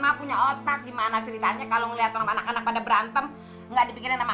maunya otak gimana ceritanya kalau ngeliat anak anak pada berantem nggak dipikirin sama